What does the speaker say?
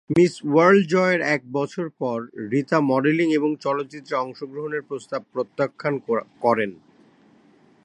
Miss world জয়ের এক বছর পর রীতা মডেলিং এবং চলচ্চিত্রে অংশগ্রহণের প্রস্তাব প্রত্যাখ্যান করেন।